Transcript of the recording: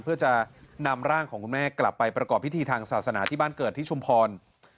เพื่อจะนำร่างของคุณแม่กลับไปประกอบพิธีทางศาสนาที่บ้านเกิดที่ชุมพร